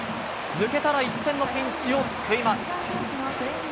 抜けたら１点のピンチを救います。